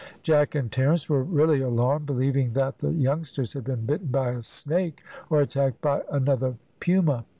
Jack and Terence were really alarmed, believing that the youngsters had been bitten by a snake, or attacked by another puma.